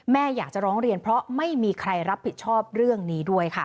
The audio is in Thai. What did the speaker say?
แม่อยากจะร้องเรียนเพราะไม่มีใครรับผิดชอบเรื่องนี้ด้วยค่ะ